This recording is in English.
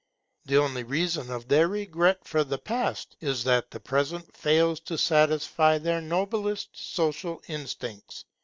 The only reason of their regret for the past, is that the present fails to satisfy their noblest social instincts.